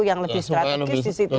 yang lebih strategis disitu